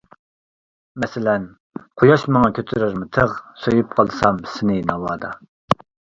مەسىلەن: قۇياش ماڭا كۆتۈرەرمۇ تىغ، سۆيۈپ قالسام سېنى ناۋادا.